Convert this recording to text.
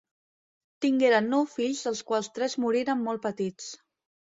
Tingueren nou fills dels quals tres moriren molt petits.